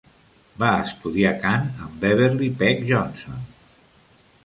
Va estudiar cant amb Beverley Peck Johnson.